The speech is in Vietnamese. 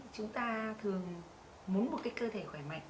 chúng ta thường muốn một cái cơ thể khỏe mạnh